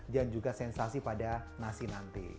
dan juga sensasi pada nasi nanti